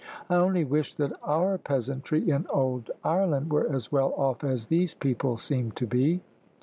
"I only wish that our peasantry in old Ireland were as well off as these people seem to be."